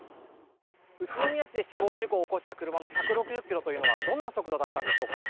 宇都宮市で死亡事故を起こした車の１６０キロというのはどんな速度だったのでしょうか。